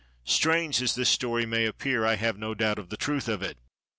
Strange as this story may appear, I have no doubt of the truth of it.